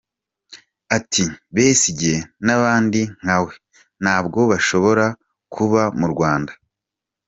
Ati Besigge n’abandi nkawe ntabwo bashobora kuba mu Rwanda.